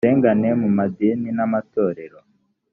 akarengane mu madini n’amatorero